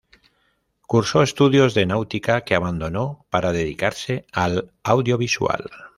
Cursó estudios de Náutica, que abandonó para dedicarse al audiovisual.